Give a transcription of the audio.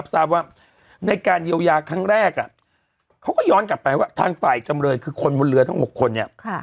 ทราบว่าในการเยียวยาครั้งแรกเขาก็ย้อนกลับไปว่าทางฝ่ายจำเลยคือคนบนเรือทั้ง๖คนเนี่ย